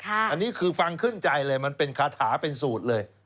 อันนี้คือฟังขึ้นใจเลยมันเป็นคาถาเป็นสูตรเลย